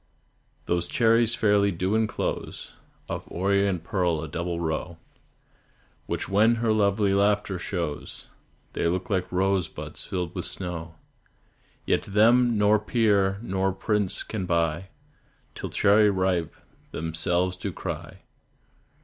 Those cherries fairly do enclose Of orient pearl a double row, Which when her lovely laughter shows, They look like rose buds filled with snow; Yet them nor peer nor prince can buy, Till "Cherry ripe" themselves do cry.